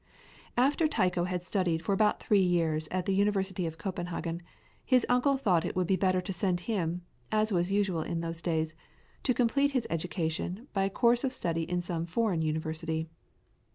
After Tycho had studied for about three years at the University of Copenhagen, his uncle thought it would be better to send him, as was usual in those days, to complete his education by a course of study in some foreign university.